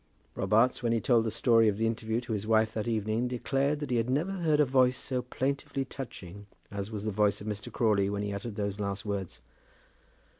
Robarts, when he told the story of the interview to his wife that evening, declared that he had never heard a voice so plaintively touching as was the voice of Mr. Crawley when he uttered those last words.